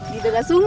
di tengah sungai